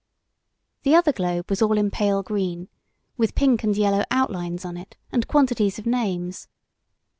The other globe was all in pale green, with pink and yellow outlines on it, and quantities of names.